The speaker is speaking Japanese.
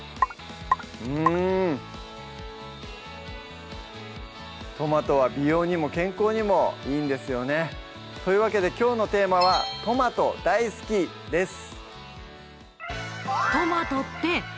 うんトマトは美容にも健康にもいいんですよねというわけできょうのテーマは「トマト大好き」です